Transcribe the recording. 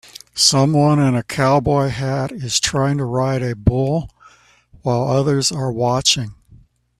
Someone in a cowboy hat is trying to ride a bull, while others are watching.